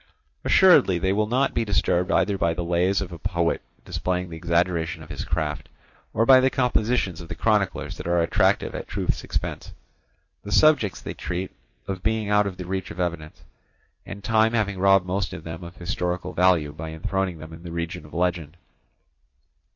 Assuredly they will not be disturbed either by the lays of a poet displaying the exaggeration of his craft, or by the compositions of the chroniclers that are attractive at truth's expense; the subjects they treat of being out of the reach of evidence, and time having robbed most of them of historical value by enthroning them in the region of legend.